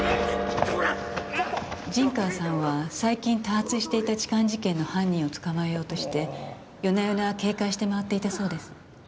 陣川さんは最近多発していた痴漢事件の犯人を捕まえようとして夜な夜な警戒して回っていたそうです。